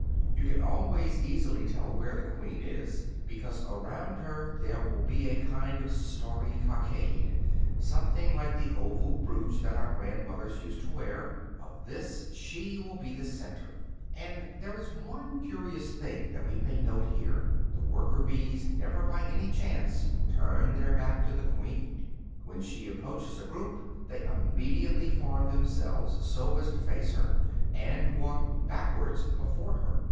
You can always easily tell where the queen is, because around her there will be a kind of starry cockade, something like the oval brooch that our grandmothers used to wear; of this she will be the center. And there is one curious thing that we may note here: the worker bees never by any chance turn their back to the queen. When she approaches a group they immediately form themselves so as to face her, and walk backwards before her.